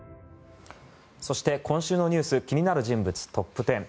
そして、今週のニュース気になる人物トップ１０。